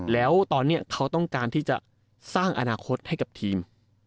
แล้วตอนนี้เขาต้องการที่จะสร้างอนาคตให้กับทีม